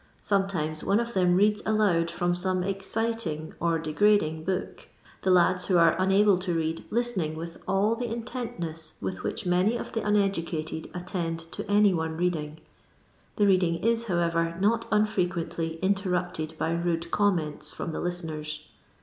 Sometimes one of them reads aloud firom some exciting or degrading book, the bids who are unable to read listening with all the intentness with which manv of the uneducated attend to any one reading. The reading is, however, not unfire quently interrupted by rude commento from the listeners.